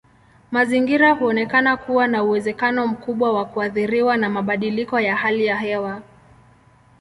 Mazingira huonekana kuwa na uwezekano mkubwa wa kuathiriwa na mabadiliko ya hali ya hewa.